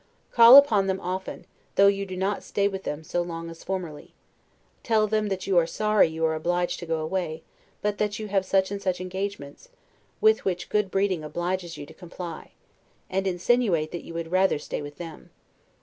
Call upon them often, though you do not stay with them so long as formerly; tell them that you are sorry you are obliged to go away, but that you have such and such engagements, with which good breeding obliges you to comply; and insinuate that you would rather stay with them.